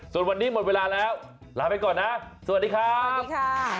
ส่วนวันนี้หมดเวลาแล้วลาไปก่อนนะสวัสดีครับ